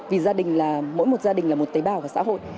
vì gia đình là mỗi một gia đình là một tế bào của xã hội